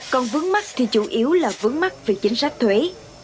còn vướng mắt thì chủ yếu là vướng mắt về chính sách thuế